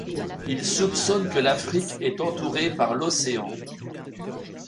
Il soupçonne que l'Afrique est entourée par l'océan.